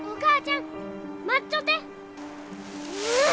ん！